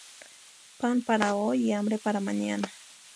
Pan para hoy, y hambre para mañana